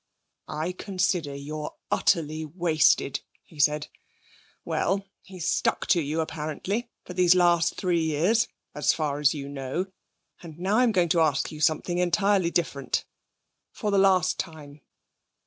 'I consider you're utterly wasted,' he said. 'Well! He's stuck to you, apparently, for these last three years (as far as you know), and now I'm going to ask you something entirely different, for the last time.